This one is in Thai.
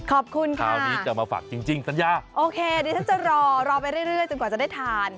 ขอบคุณค่ะคราวนี้จะมาฝากจริงสัญญาโอเคดิฉันจะรอรอไปเรื่อยจนกว่าจะได้ทาน